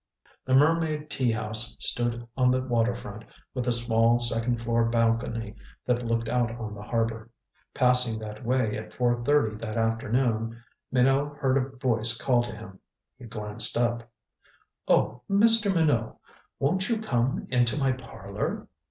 The Mermaid Tea House stood on the waterfront, with a small second floor balcony that looked out on the harbor. Passing that way at four thirty that afternoon, Minot heard a voice call to him. He glanced up. "Oh, Mr. Minot won't you come into my parlor?"